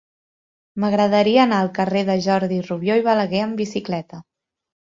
M'agradaria anar al carrer de Jordi Rubió i Balaguer amb bicicleta.